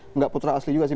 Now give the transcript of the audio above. enggak putra asli juga sih